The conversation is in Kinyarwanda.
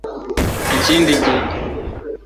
ikindi gihe